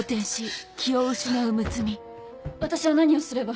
私は何をすれば？